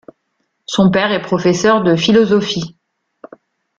Son père est professeur de philosophie.